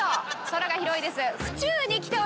空が広いです。